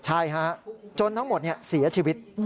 ใช่ฮะจนทั้งหมดเสียชีวิต